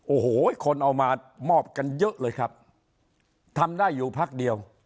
โอ้โหคนเอามามอบกันเยอะเลยครับทำได้อยู่พักเดียว